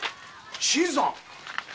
新さん。